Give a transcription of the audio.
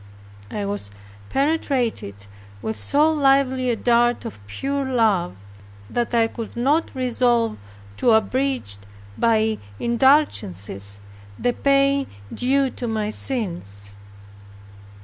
I was penetrated with so lively a dart of pure love, that I could not resolve to abridge by indulgences, the pain due to my sins.